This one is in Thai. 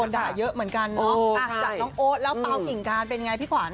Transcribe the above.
แล้วก็ล่าสุดเลยเขาก็บอกว่า